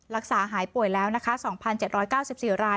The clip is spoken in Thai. รักษาหายป่วยแล้วนะคะ๒๗๙๔ราย